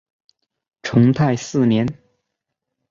成泰四年。